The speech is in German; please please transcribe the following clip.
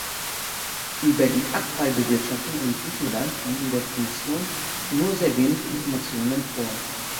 Über die Abfallbewirtschaftung in Griechenland liegen der Kommission nur sehr wenig Informationen vor.